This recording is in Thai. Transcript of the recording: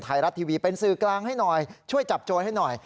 ไทยรัฐทีวีเป็นสื่อกลางให้หน่อยช่วยจับโจรให้หน่อย